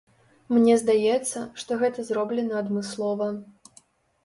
Мне здаецца, што гэта зроблена адмыслова.